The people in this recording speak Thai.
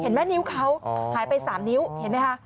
เห็นไหมนิ้วเขาหายไป๓นิ้วเห็นไหมฮะ